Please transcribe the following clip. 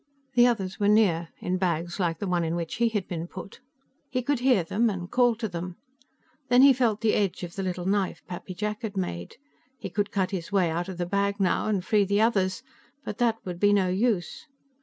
The others were near, in bags like the one in which he had been put; he could hear them, and called to them. Then he felt the edge of the little knife Pappy Jack had made. He could cut his way out of this bag now and free the others, but that would be no use.